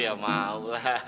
iya mau lah